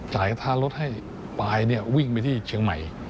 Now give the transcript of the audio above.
จ่ายค่ารถให้ป้าไปวิ่งไปที่เชียงใหม่